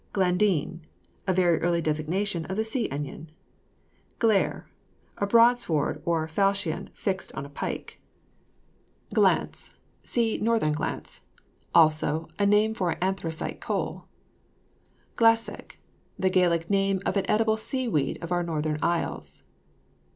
GLADENE. A very early designation of the sea onion. GLAIRE. A broadsword or falchion fixed on a pike. GLANCE. (See NORTHERN GLANCE.) Also, a name for anthracite coal. GLASAG. The Gaelic name of an edible sea weed of our northern isles.